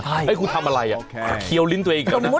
ทำอะไรอ่ะเขียวลิ้นตัวเองอีกแล้วนะ